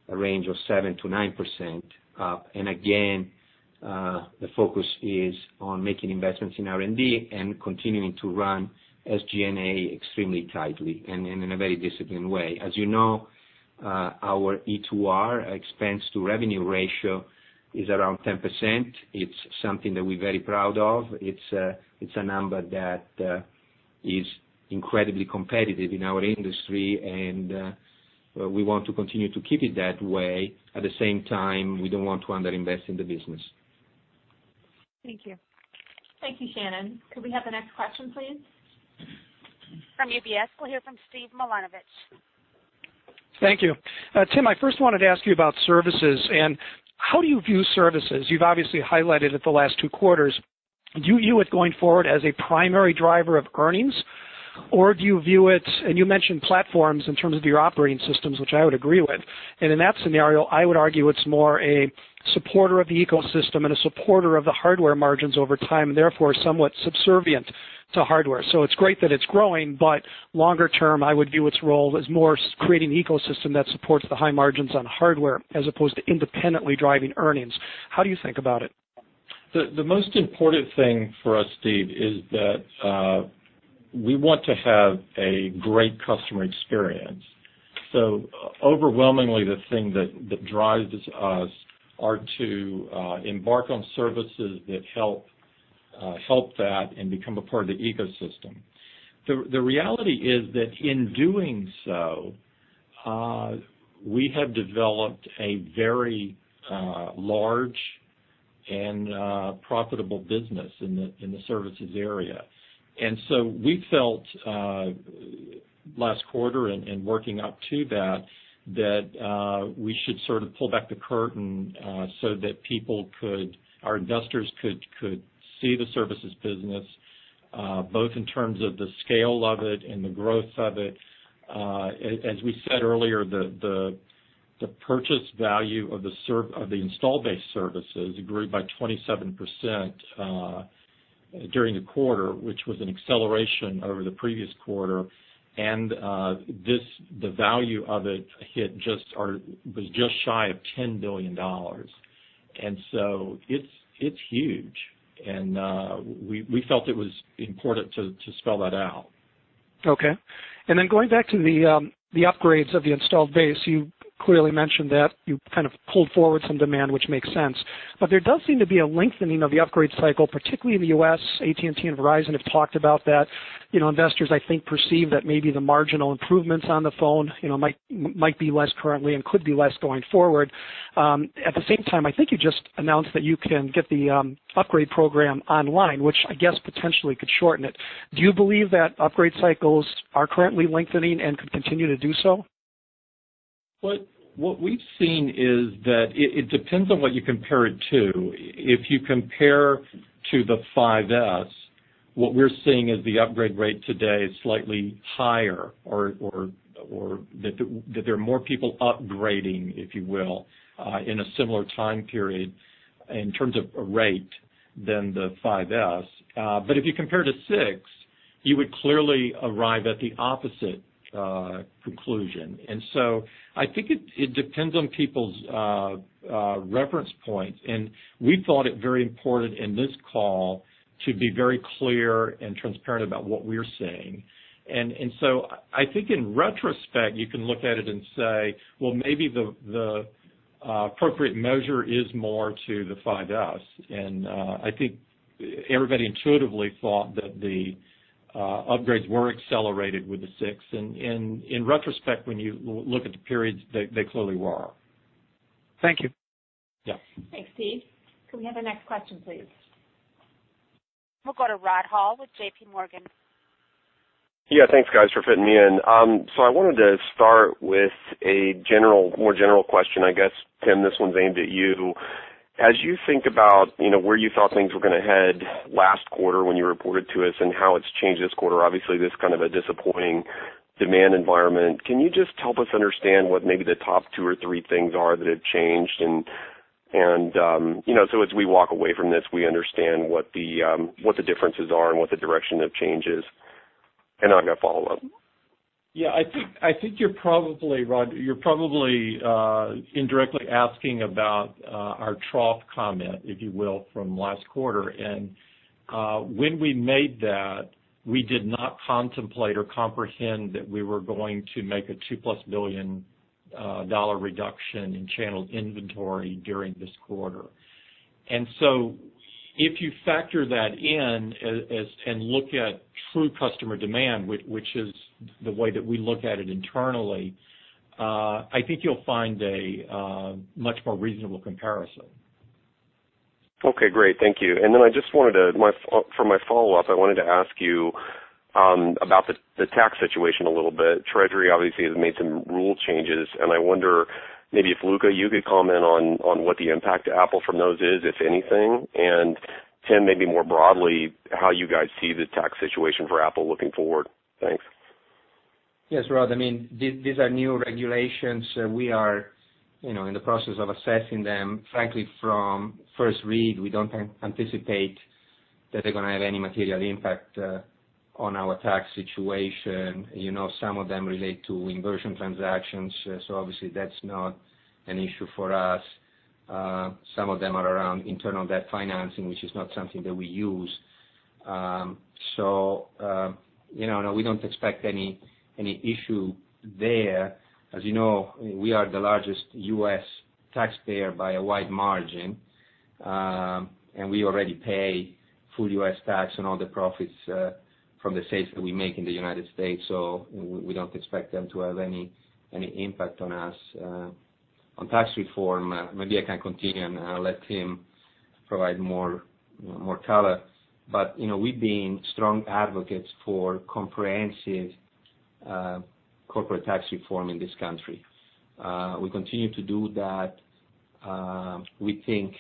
a range of 7%-9%. Again, the focus is on making investments in R&D and continuing to run SG&A extremely tightly and in a very disciplined way. As you know, our Expense-to-Revenue, Expense-to-Revenue ratio is around 10%. It's something that we're very proud of. It's a number that is incredibly competitive in our industry, and we want to continue to keep it that way. At the same time, we don't want to under-invest in the business. Thank you. Thank you, Shannon. Could we have the next question, please? From UBS, we'll hear from Steve Milunovich. Thank you. Tim, I first wanted to ask you about services. How do you view services? You've obviously highlighted it the last two quarters. Do you view it going forward as a primary driver of earnings, or do you view it, and you mentioned platforms in terms of your operating systems, which I would agree with, and in that scenario, I would argue it's more a supporter of the ecosystem and a supporter of the hardware margins over time, and therefore, somewhat subservient to hardware. It's great that it's growing, but longer term, I would view its role as more creating ecosystem that supports the high margins on hardware as opposed to independently driving earnings. How do you think about it? The most important thing for us, Steve, is that we want to have a great customer experience. Overwhelmingly, the thing that drives us are to embark on services that help that and become a part of the ecosystem. The reality is that in doing so, we have developed a very large and profitable business in the services area. We felt, last quarter and working up to that we should sort of pull back the curtain so that our investors could see the services business, both in terms of the scale of it and the growth of it. As we said earlier, the purchase value of the install-based services grew by 27% during the quarter, which was an acceleration over the previous quarter. The value of it was just shy of $10 billion. It's huge, and we felt it was important to spell that out. Okay. Going back to the upgrades of the installed base, you clearly mentioned that you kind of pulled forward some demand, which makes sense. There does seem to be a lengthening of the upgrade cycle, particularly in the U.S. AT&T and Verizon have talked about that. Investors, I think, perceive that maybe the marginal improvements on the phone might be less currently and could be less going forward. At the same time, I think you just announced that you can get the upgrade program online, which I guess potentially could shorten it. Do you believe that upgrade cycles are currently lengthening and could continue to do so? What we've seen is that it depends on what you compare it to. If you compare to the iPhone 5s, what we're seeing is the upgrade rate today is slightly higher or that there are more people upgrading, if you will, in a similar time period in terms of rate than the iPhone 5s. If you compare to iPhone 6, you would clearly arrive at the opposite conclusion. I think it depends on people's reference points, and we thought it very important in this call to be very clear and transparent about what we're seeing. I think in retrospect, you can look at it and say, "Well, maybe the appropriate measure is more to the iPhone 5s." I think everybody intuitively thought that the upgrades were accelerated with the iPhone 6, and in retrospect, when you look at the periods, they clearly were. Thank you. Yeah. Thanks, Steve. Could we have our next question, please? We'll go to Rod Hall with J.P. Morgan. Yeah. Thanks, guys, for fitting me in. I wanted to start with a more general question. I guess, Tim, this one's aimed at you. As you think about where you thought things were going to head last quarter when you reported to us and how it's changed this quarter, obviously, this kind of a disappointing demand environment. Can you just help us understand what maybe the top two or three things are that have changed? As we walk away from this, we understand what the differences are and what the direction of change is? I'm going to follow up. Yeah, I think you're probably, Rod, indirectly asking about our trough comment, if you will, from last quarter. When we made that, we did not contemplate or comprehend that we were going to make a $2-plus billion reduction in channel inventory during this quarter. If you factor that in and look at true customer demand, which is the way that we look at it internally, I think you'll find a much more reasonable comparison. Okay, great. Thank you. For my follow-up, I wanted to ask you about the tax situation a little bit. Treasury obviously has made some rule changes, and I wonder maybe if, Luca, you could comment on what the impact to Apple from those is, if anything, and Tim, maybe more broadly, how you guys see the tax situation for Apple looking forward. Thanks. Yes, Rod. These are new regulations. We are in the process of assessing them. Frankly, from first read, we don't anticipate that they're going to have any material impact on our tax situation. Some of them relate to inversion transactions, so obviously that's not an issue for us. Some of them are around internal debt financing, which is not something that we use. We don't expect any issue there. As you know, we are the largest U.S. taxpayer by a wide margin, and we already pay full U.S. tax on all the profits from the sales that we make in the United States, so we don't expect them to have any impact on us. On tax reform, maybe I can continue and let Tim provide more color, but we've been strong advocates for comprehensive corporate tax reform in this country. We continue to do that. We think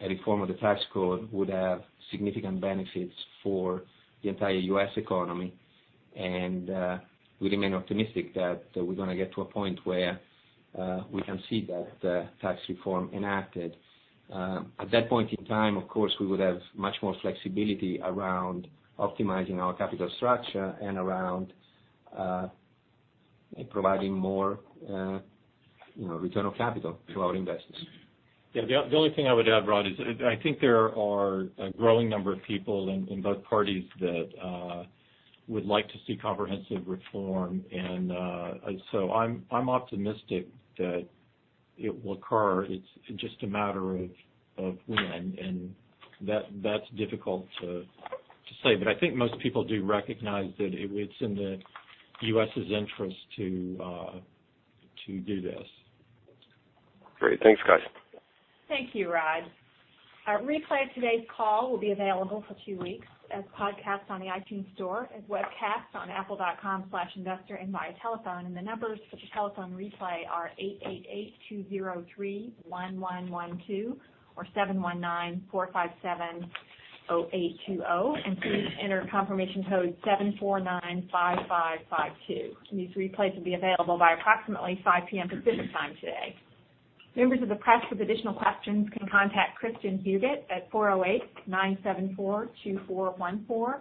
a reform of the tax code would have significant benefits for the entire U.S. economy, and we remain optimistic that we're going to get to a point where we can see that tax reform enacted. At that point in time, of course, we would have much more flexibility around optimizing our capital structure and around providing more return of capital to our investors. Yeah, the only thing I would add, Rod, is I think there are a growing number of people in both parties that would like to see comprehensive reform. So I'm optimistic that it will occur. It's just a matter of when, and that's difficult to say. I think most people do recognize that it's in the U.S.'s interest to do this. Great. Thanks, guys. Thank you, Rod. A replay of today's call will be available for two weeks as podcasts on the iTunes Store, as webcasts on apple.com/investor, and via telephone. The numbers to the telephone replay are 888-203-1112 or 719-457-0820, please enter confirmation code 7495552. These replays will be available by approximately 5:00 P.M. Pacific Time today. Members of the press with additional questions can contact Kristin Huguet at 408-974-2414,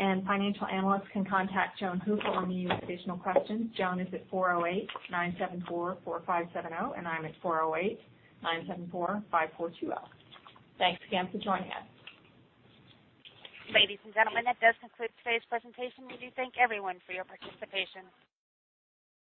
and financial analysts can contact Joan Hooper with any additional questions. Joan is at 408-974-4570, and I'm at 408-974-5420. Thanks again for joining us. Ladies and gentlemen, that does conclude today's presentation. We do thank everyone for your participation.